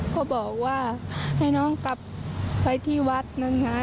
เขาบอกว่าให้น้องกลับไปที่วัดนั้นนะ